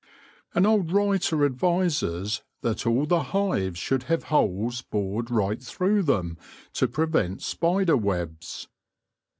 ' An old writer advises that all the hives should have holes bored right through them to prevent spider webs.